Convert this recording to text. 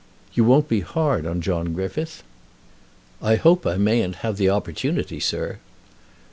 You won't be hard on John Griffith?" "I hope I mayn't have the opportunity, sir."